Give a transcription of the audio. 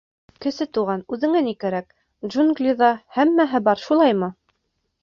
— Кесе Туған, үҙеңә ни кәрәк, джунглиҙа һәммәһе бар, шулаймы?